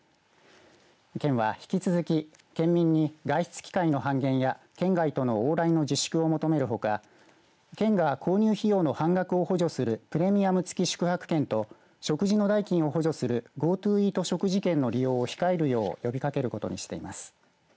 県は引き続き、県民に外出機会の半減や県外との往来の自粛を求めるほか県が購入費用の半額を補助するプレミアム付き宿泊券と食事の代金を補助するＧｏＴｏイート食事券の利用を控えるよう呼びかけることにしています。